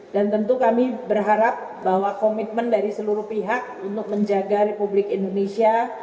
dan tentu kami berharap bahwa komitmen dari seluruh pihak untuk menjaga republik indonesia